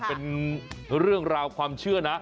เป็นเรื่องราวความเชื่อนะ